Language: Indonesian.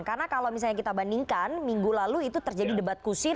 karena kalau misalnya kita bandingkan minggu lalu itu terjadi debat kusir